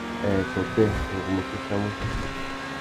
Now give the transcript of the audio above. Nhêê tôtê, ngu mú séssamú.